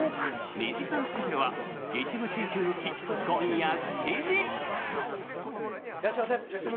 ２時間スペシャルは一部地域を除き、今夜８時。